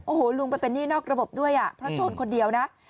โอ้โหลุงไปเป็นหนี้นอกระบบด้วยอ่ะเพราะชนคนเดียวนะ